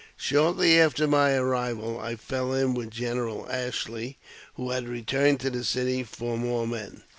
Shortly after my arrival I fell in with General Ashley, who had returned to the city for more men.